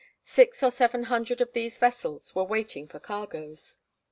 Six or seven hundred of these vessels were waiting for cargoes.